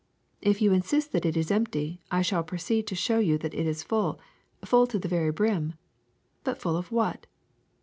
If you insist that it is empty, I shall pro ceed to show you that it is full, full to the very brim. But full of what